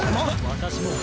私も。